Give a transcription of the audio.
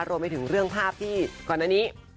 รวมไปถึงเรื่องภาพที่ก่อนอันนี้